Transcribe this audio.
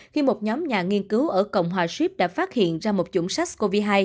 khi một nhóm nhà nghiên cứu ở cộng hòa ship đã phát hiện ra một chủng sars cov hai